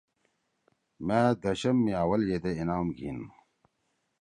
مأ دشم می اوّل یدے انعام گھیِن۔